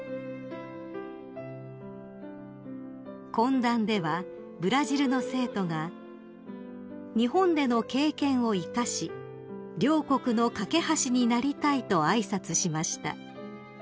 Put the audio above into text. ［懇談ではブラジルの生徒が「日本での経験を生かし両国の懸け橋になりたい」と挨拶しました］